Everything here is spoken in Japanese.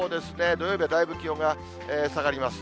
土曜日はだいぶ気温が下がります。